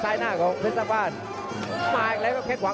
พยายามจะตีจิ๊กเข้าที่ประเภทหน้าขาครับ